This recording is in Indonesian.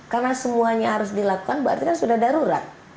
karena semuanya harus dilakukan berarti kan sudah darurat